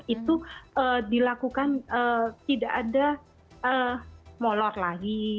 itu dilakukan tidak ada molor lagi